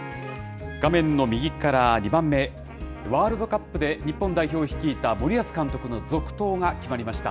画面の右から２番目、ワールドカップで日本代表を率いた森保監督の続投が決まりました。